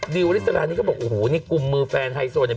ดิวอริสระนี่ก็บอกอู๋นี่กุมมือแฟนไทยส่วน